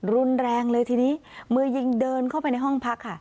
รุนแรงเลยทีนี้มือยิงเดินเข้าไปในห้องพักค่ะ